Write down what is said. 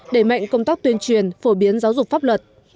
đẩy mạnh công tác tuyên truyền phổ biến giáo dục pháp luật